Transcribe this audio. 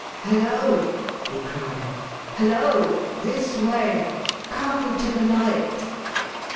" Halloa !" he cried. " Halloa ! This way ! Come to the light